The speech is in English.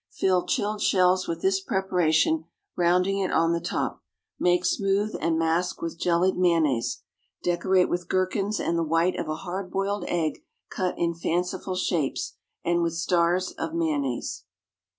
Fill chilled shells with this preparation, rounding it on the top. Make smooth, and mask with jellied mayonnaise. Decorate with gherkins and the white of a hard boiled egg cut in fanciful shapes, and with stars of mayonnaise.